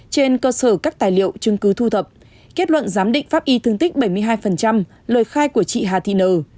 trên cơ sở các tài liệu chứng cứ thu thập kết luận giám định pháp y thương tích bảy mươi hai lời khai của chị hà thị nờ